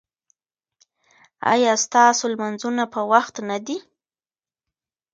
ایا ستاسو لمونځونه په وخت نه دي؟